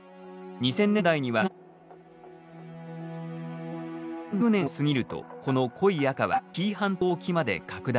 ２０１０年を過ぎるとこの濃い赤は紀伊半島沖まで拡大。